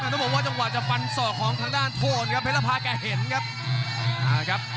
ต้องบอกว่าจังหวะจะฟันศอกของทางด้านโทนครับเพชรภาแกเห็นครับเอาละครับ